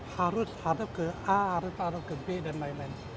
harus hadap ke a harus hadap ke b dan lain lain